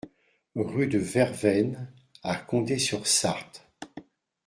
Rue de Vervaine à Condé-sur-Sarthe